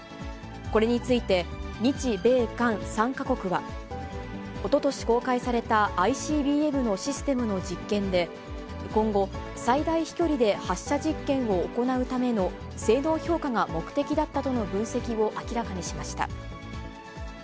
これについて、日米韓３か国は、おととし公開されたＩＣＢＭのシステムの実験で、今後、最大飛距離で発射実験を行うための性能評価が目的だったとの分析を明らかにしました。